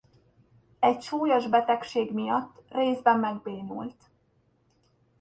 Egy súlyos betegség miatt részben megbénult.